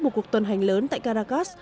một cuộc tuần hành lớn tại caracas